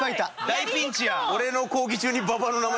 大ピンチや。